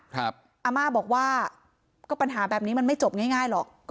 อาม่าบอกว่าก็ปัญหาแบบนี้มันไม่จบง่ายหรอก